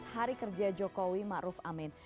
seratus hari kerja jokowi ma'ruf amin